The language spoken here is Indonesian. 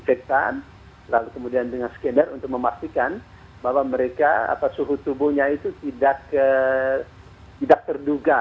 lalu kemudian dengan skedar untuk memastikan bahwa mereka suhu tubuhnya itu tidak terduga